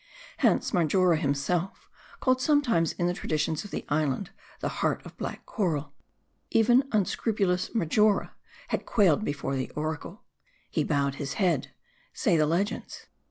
< Hence Marjora him self, called sometimes in the traditions of the island, The Heart of Black Coral, even unscrupulous Marjora had quailed before the oracle. " He bowed his head," say the legends.